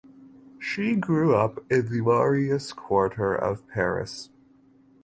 She grew up in The Marais quarter of Paris.